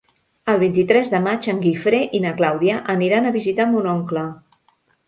El vint-i-tres de maig en Guifré i na Clàudia aniran a visitar mon oncle.